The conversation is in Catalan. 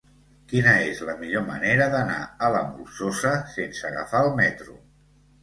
Quina és la millor manera d'anar a la Molsosa sense agafar el metro?